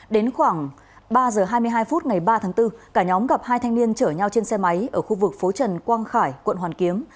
đến khoảng ba giờ hai mươi hai phút ngày ba tháng bốn cả nhóm gặp hai thanh niên chở nhau trên xe máy ở khu vực phố trần quang khải quận hoàn kiếm